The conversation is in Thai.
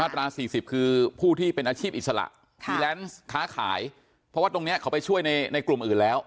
ตรา๔๐คือผู้ที่เป็นอาชีพอิสระมีแลนซ์ค้าขายเพราะว่าตรงนี้เขาไปช่วยในกลุ่มอื่นแล้ว